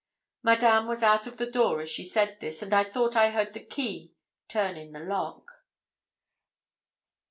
Madame was out of the door as she said this, and I thought I heard the key turn in the lock.